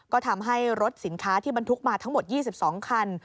ก็ทำให้รถสินค้าที่บรรทุกมาทั้งหมด๒๒คัน